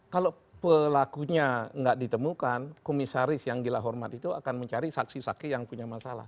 kalau pelakunya nggak ditemukan komisaris yang gila hormat itu akan mencari saksi saksi yang punya masalah